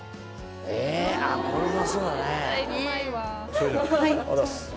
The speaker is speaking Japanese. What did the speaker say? それではありがとうございます。